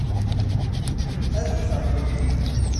A bu tɛellumin!